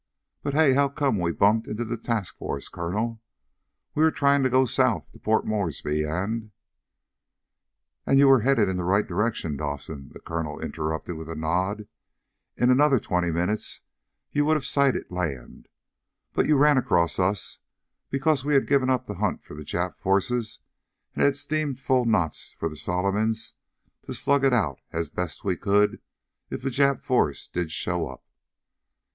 But, hey! How come we bumped into the task force, Colonel? We were trying to get south to Port Moresby, and " "And you were headed in the right direction, Dawson," the colonel interrupted with a nod. "In another twenty minutes you would have sighted land. But you ran across us because we had given up the hunt for the Jap force and had steamed full knots for the Solomons to slug it out as best we could if the Jap force did show up.